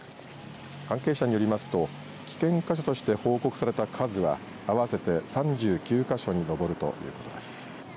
関係者によりますと危険箇所として報告された数は合わせて３９か所に上るということです。